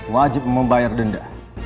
wajib membayar denda